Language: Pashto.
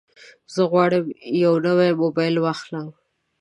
زه غواړم یو نوی موبایل واخلم.